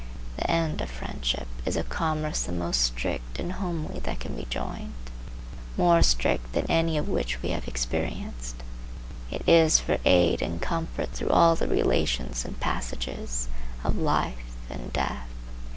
The end of friendship is a commerce the most strict and homely that can be joined; more strict than any of which we have experience. It is for aid and comfort through all the relations and passages of life and death.